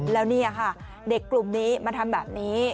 แล้วนี่ค่ะเด็กกลุ่มนี้มาทำแบบนี้